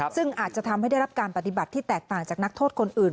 ซึ่งอาจจะทำให้ได้รับการปฏิบัติที่แตกต่างจากนักโทษคนอื่น